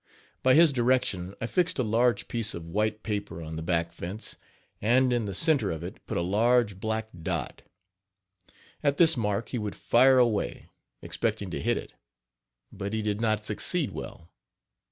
By his direction, I fixed a large piece of white paper on the back fence, and in the center of it put a large black dot. At this mark he would fire away, expecting to hit it; but he did not succeed well.